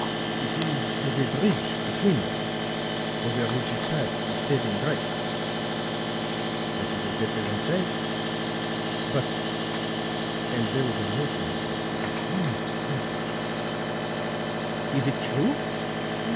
It is as a bridge between them, over which is passed the saving grace. That is what every one says. But," and there was a note in her voice which was almost savage, "is it true?